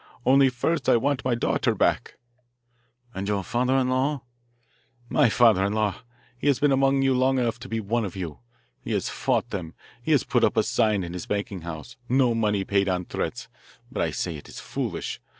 Only first I want my daughter back." "And your father in law?" "My father in law, he has been among you long enough to be one of you. He has fought them. He has put up a sign in his banking house, 'No money paid on threats.' But I say it is foolish.